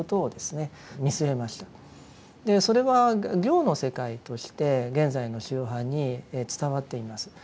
それは行の世界として現在の宗派に伝わっています。